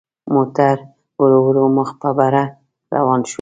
موټر ورو ورو مخ په بره روان شو.